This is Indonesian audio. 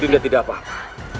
dinda tidak apa apa